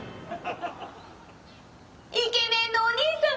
・イケメンのお兄さん！